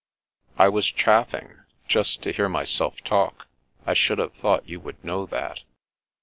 " I was chaffing, just to hear myself talk. I should have thought you would know that."